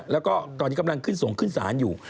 แล้วก็ตอนนี้กำลังขึ้นส่งขึ้นศาลอยู่